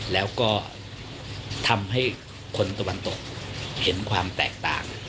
แล้วก็ทำให้คนตะวันตกเห็นความแตกต่าง